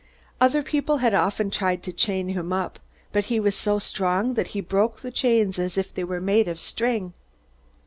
Other people had often tried to chain him up, but he was so strong that he broke the chains as if they were made of string.